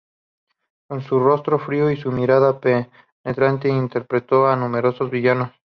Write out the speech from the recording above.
Con su rostro frío y su mirada penetrante interpretó a numerosos villanos.